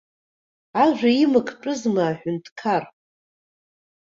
Ажәа имактәызма аҳәынҭқар!